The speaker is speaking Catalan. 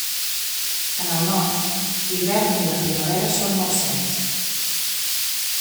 En el nord, l'hivern i la primavera són molt secs.